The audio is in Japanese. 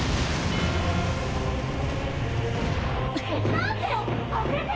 ・何で⁉開けて！！